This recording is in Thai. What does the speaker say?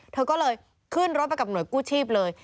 เธอก็เลยขึ้นรถไปกับหน่วยกู้ชีพเลย